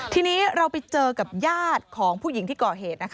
ทีนี้เราไปเจอกับญาติของผู้หญิงที่ก่อเหตุ